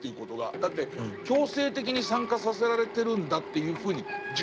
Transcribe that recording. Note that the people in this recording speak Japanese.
だって強制的に参加させられてるんだっていうふうに自覚はないですよね。